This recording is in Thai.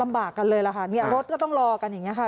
บากกันเลยล่ะค่ะเนี่ยรถก็ต้องรอกันอย่างนี้ค่ะ